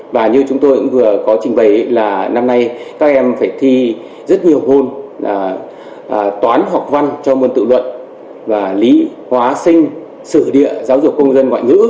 và như chúng tôi cũng vừa có trình bày là năm nay các em phải thi rất nhiều môn là toán học văn cho môn tự luận và lý hóa sinh sử địa giáo dục công dân ngoại ngữ